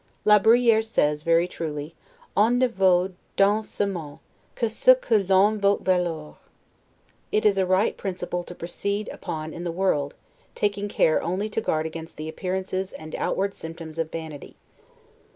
La Bruyere says, very truly, 'on ne vaut dans ce monde, que ce que l'on veut valoir'. It is a right principle to proceed upon in the world, taking care only to guard against the appearances and outward symptoms of vanity.